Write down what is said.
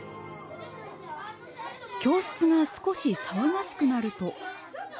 教室が少し騒がしくなると。